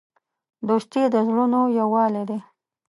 دوستي د زړونو یووالی دی.